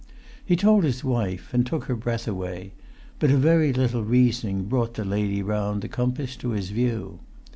He told his wife and took her breath away; but a very little reasoning brought the lady round the compass to his view.